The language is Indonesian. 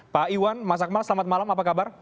pak iwan mas akmal selamat malam apa kabar